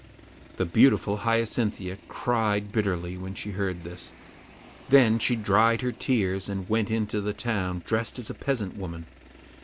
The beautiful Hyacinthia cried bitterly when she heard this; then she dried her tears, and went into the town dressed as a peasant woman.